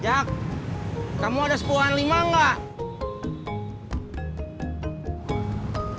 cek kamu ada sebuahan lima nggak